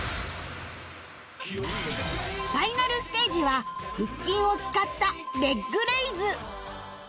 ファイナルステージは腹筋を使ったレッグレイズ